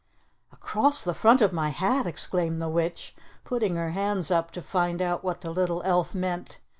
"Across the front of my hat!" exclaimed the witch, putting her hands up to find out what the little elf meant.